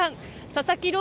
佐々木朗